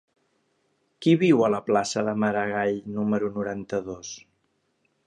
Qui viu a la plaça de Maragall número noranta-dos?